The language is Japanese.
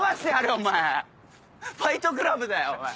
ファイトクラブだよお前。